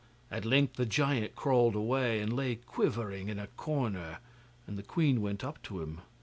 At length the giant crawled away, and lay quivering in a corner, and the queen went up to him.